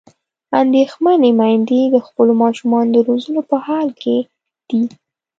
اندېښمنې میندې د خپلو ماشومانو د روزلو په حال کې دي.